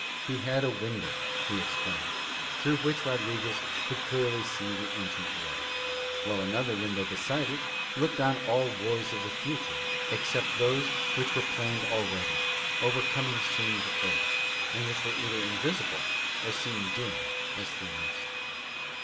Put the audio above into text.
He had a window, he explained, through which Rodriguez should see clearly the ancient wars, while another window beside it looked on all wars of the future except those which were planned already or were coming soon to earth, and which were either invisible or seen dim as through mist.